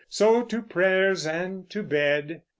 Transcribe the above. So to prayers and to bed.